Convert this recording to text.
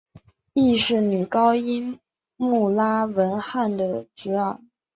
亦是女高音穆拉汶娜的侄儿。